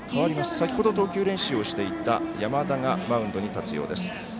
先ほど投球練習をしていた山田がマウンドに立つようです。